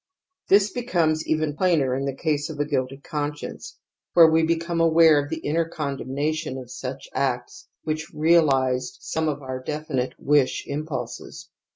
This becomes even plainer in the case of a guilty conscience, where we become aware of the inner condemnation of sucK acts which realized some of onr definite wish impulses.